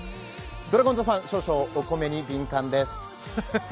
ドラゴンズファン、少々お米に敏感です。